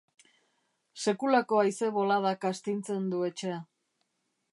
Sekulako haize-boladak astintzen du etxea.